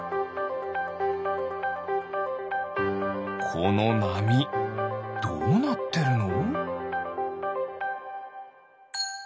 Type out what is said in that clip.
このなみどうなってるの？